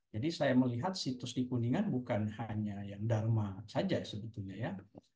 jadi saya melihat situs di kuningan bukan hanya yang dharma saja sebetulnya ya